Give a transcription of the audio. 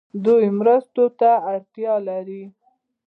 دوی مرستو ته اړتیا لري.